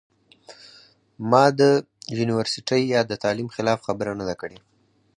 ما د يونيورسټۍ يا د تعليم خلاف خبره نۀ ده کړې